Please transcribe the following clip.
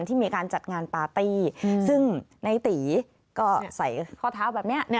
ที่มีการจัดงานปาร์ตี้ซึ่งในตีก็ใส่ข้อเท้าแบบนี้